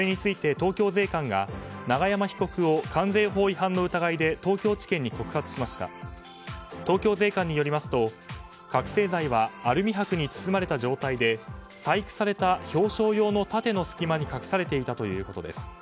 東京税関によりますと、覚醒剤はアルミ箔に包まれた状態で細工された表彰用の盾の隙間に隠されていたということです。